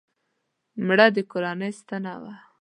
مړه د کورنۍ ستنه وه